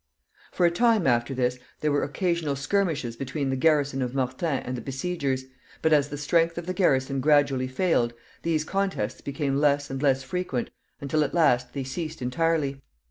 For a time after this there were occasional skirmishes between the garrison of Mortain and the besiegers, but, as the strength of the garrison gradually failed, these contests became less and less frequent, until at last they ceased entirely.